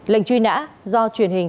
lệnh truy nã do truyền hình